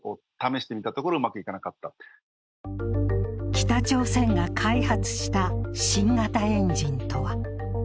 北朝鮮が開発した新型エンジンとは。